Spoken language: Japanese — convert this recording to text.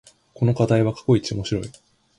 この課題は過去一面白い